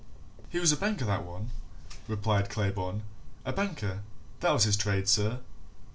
"He was a banker, that one," replied Claybourne. "A banker that was his trade, sir.